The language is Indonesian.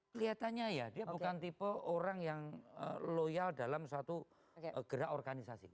kelihatannya ya dia bukan tipe orang yang loyal dalam suatu gerak organisasi